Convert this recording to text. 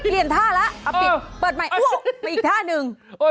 เรียนท่าแล้ว